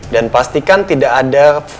dan pastikan tidak ada foto keluarga saya